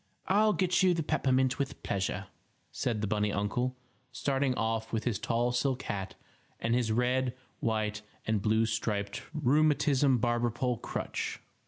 "I'll get you the peppermint with pleasure," said the bunny uncle, starting off with his tall silk hat and his red, white and blue striped rheumatism barber pole crutch.